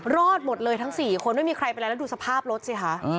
รอดหมดเลยทั้ง๔คนไม่มีใครไปแล้วดูสภาพรถสิคะ